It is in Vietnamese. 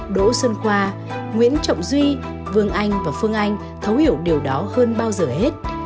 đỗ xuân khoa nguyễn trọng duy vương anh và phương anh thấu hiểu điều đó hơn bao giờ hết